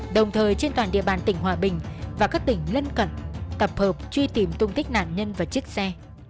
đồng thời trên toàn địa bàn tỉnh hòa bình và các tỉnh lân cận tập hợp truy tìm tung tích nạn nhân và chiếc xe